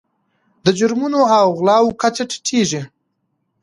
د جرمونو او غلاو کچه ټیټیږي.